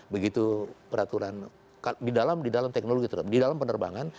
begitu peraturan di dalam teknologi itu di dalam penerbangan